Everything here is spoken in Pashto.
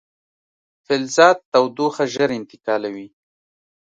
فلزات تودوخه ژر انتقالوي.